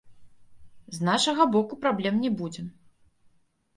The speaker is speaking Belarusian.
З нашага боку праблем не будзе.